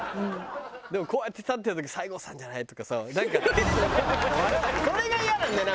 でもこうやって立ってる時「西郷さんじゃない？」とかさなんかそれがイヤなんだよな。